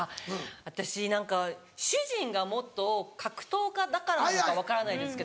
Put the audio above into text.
私何か主人が格闘家だからなのか分からないんですけど。